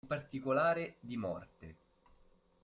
In particolare di Morte.